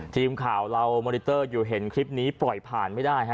ทีมข่าวเรามอนิเตอร์อยู่เห็นคลิปนี้ปล่อยผ่านไม่ได้ฮะ